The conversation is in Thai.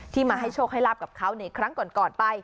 มาให้โชคให้ลาบกับเขาในครั้งก่อนไป